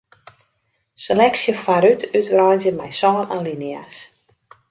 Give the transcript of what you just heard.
Seleksje foarút útwreidzje mei sân alinea's.